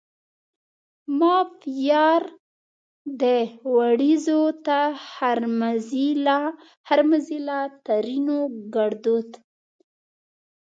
ما پيار دي وړیزو ته هرمزي له؛ ترينو ګړدود